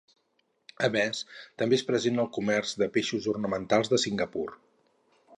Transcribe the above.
A més, també és present al comerç de peixos ornamentals de Singapur.